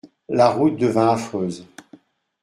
La route devint affreuse.